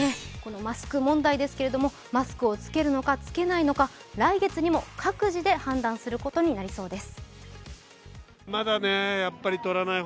マスク問題ですけどマスクを着けるのか着けないのか来月にも各自で判断することになりそうです。